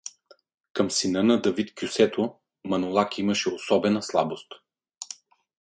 Към сина на Давид Кьосето Манолаки имаше особена слабост.